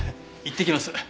いってきます。